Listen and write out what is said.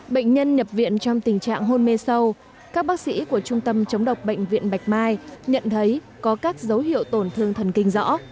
bệnh nhân nhập viện trong tình trạng hôn mê sâu các bác sĩ của trung tâm chống độc bệnh viện bạch mai nhận thấy có các dấu hiệu tổn thương thần kinh rõ